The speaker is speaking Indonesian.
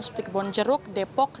seperti kebun jeruk depok